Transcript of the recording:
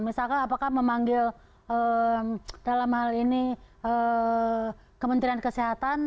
misalkan apakah memanggil dalam hal ini kementerian kesehatan